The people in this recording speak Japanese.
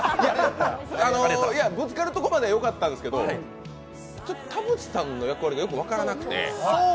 ぶつかるとこまではよかったんですけと、田渕さんの役割がよく分からなくて。